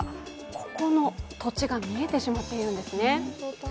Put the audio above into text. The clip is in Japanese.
ここの土地が見えてしまっているんですね。